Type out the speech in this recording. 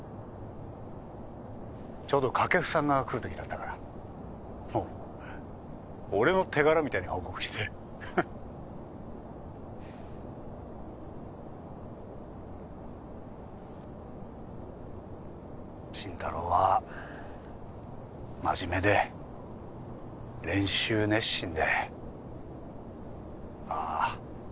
ちょうど掛布さんが来る時だったからもう俺の手柄みたいに報告してフッ慎太郎は真面目で練習熱心であぁ